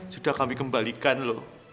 sudah kami kembalikan loh